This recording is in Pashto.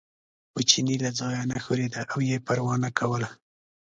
خو چیني له ځایه نه ښورېده او یې پروا نه کوله.